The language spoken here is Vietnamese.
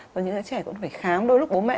và những đứa trẻ cũng phải khám đôi lúc bố mẹ